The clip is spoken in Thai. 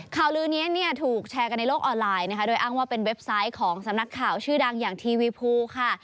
ข่าวลือนี้เนี่ยถูกแชร์กันในโลกออนไลน์นะคะโดยอ้างว่าเป็นเว็บไซต์ของสำนักข่าวชื่อดังอย่างทีวีภูค่ะ